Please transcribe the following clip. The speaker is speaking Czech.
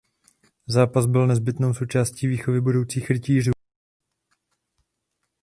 Zápas byl nezbytnou součásti výchovy budoucích rytířů.